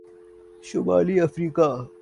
شمالی افریقہ